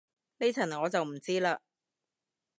呢層我就唔知嘞